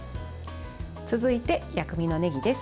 続いて、薬味のねぎです。